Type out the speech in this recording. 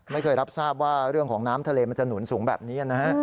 ไม่เคยรับทราบว่าเรื่องของน้ำทะเลมันจะหนุนสูงแบบนี้นะฮะ